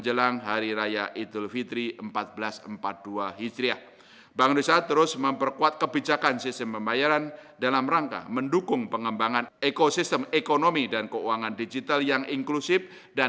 pembelian yang terjamin antara lain dari meningkatnya permintaan kredit seiring dengan berlanjutnya pemulihan aktivitas korporasi yang ditempuh oleh bumn